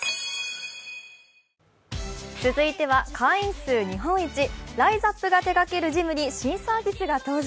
続いては会員数日本一ライザップが手がけるジムに新サービスが登場。